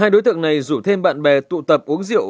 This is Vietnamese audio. hai đối tượng này rủ thêm bạn bè tụ tập uống rượu